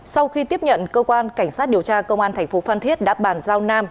sau khi tiếp nhận cơ quan cảnh sát điều tra công an tp phan thiết đã bàn giao nam